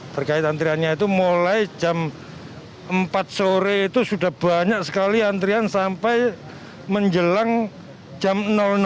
terkait antriannya itu mulai jam empat sore itu sudah banyak sekali antrian sampai menjelang jam